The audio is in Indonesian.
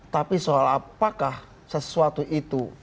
tapi soal apakah sesuatu itu